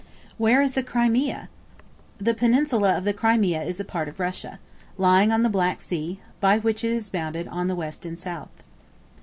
Where is the Crimea? The peninsula of the Crimea is a part of Russia, lying on the Black Sea, by which it is bounded on the west and south.